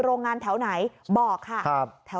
โรงงานแถวไหนบอกค่ะ